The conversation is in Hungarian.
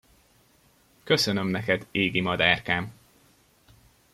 Köszönöm neked, égi madárkám!